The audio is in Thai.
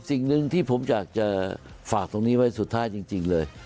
สิ่งหนึ่งที่ผมอยากจะฝากตรงนี้ไว้สุดท้ายจริงเลย